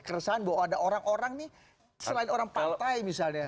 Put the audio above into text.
keresahan bahwa ada orang orang nih selain orang partai misalnya